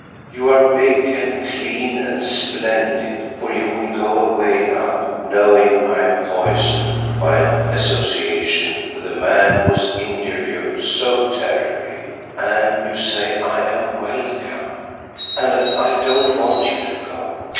You are big and clean and splendid, for you would go away now, knowing I am poisoned by an association with the man who has injured you so terribly, and you say I am welcome! And I don't want you to go.